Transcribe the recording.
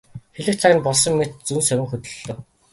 Хэлэх цаг нь болсон мэт зөн совин хөтөллөө.